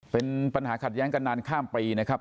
เป็นปัญหาขัดแย้งกันนานข้ามปีนะครับ